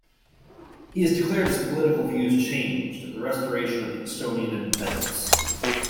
He has declared his political views changed at the restoration of the Estonian independence.